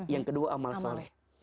yang kedua amal soleh